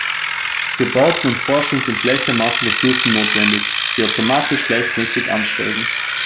Für Bauten und Forschung sind gleichermaßen Ressourcen notwendig, die automatisch gleichmäßig ansteigen.